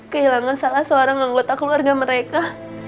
kehilangan salah seorang anggota keluarga mereka